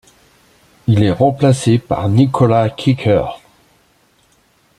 Il est remplacé par Nicolás Kicker.